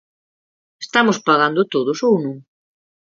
Estamos pagando todos, ¿ou non?